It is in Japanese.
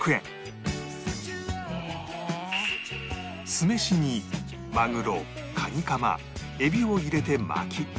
酢飯にまぐろカニカマえびを入れて巻き